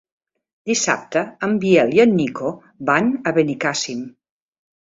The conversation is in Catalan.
Dissabte en Biel i en Nico van a Benicàssim.